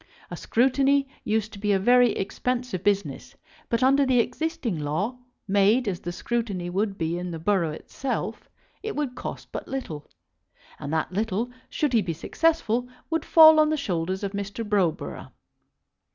A scrutiny used to be a very expensive business, but under the existing law, made as the scrutiny would be in the borough itself, it would cost but little; and that little, should he be successful, would fall on the shoulders of Mr. Browborough.